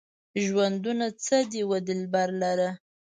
ژوندونه څه دی وه دلبره؟